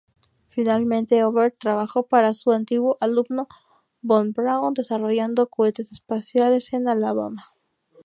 Finalmente Oberth trabajó para su antiguo alumno von Braun, desarrollando cohetes espaciales en Alabama.